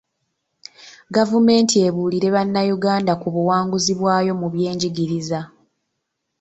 Gavumenti ebuulire Bannayuganda ku buwanguzi bwayo mu byenjigiriza